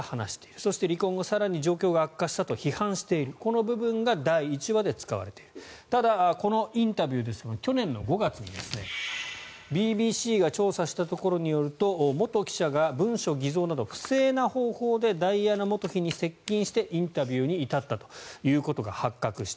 そして離婚後更に状況が悪化したと批判しているこの部分が第１話で使われているただ、このインタビューですが去年の５月にＢＢＣが調査したところによると元記者が文書偽造など不正な方法でダイアナ元妃に接近してインタビューに至ったということが発覚した。